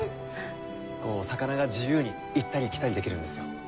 こう魚が自由に行ったり来たりできるんですよ。